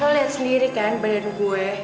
lo lihat sendiri kan badan gue